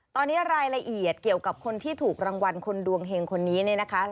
ตอนนี้รายละเอียดเกี่ยวกับคนที่ถูกรางวัลคนดวงเห็งคนนี้เนี่ยนะคะ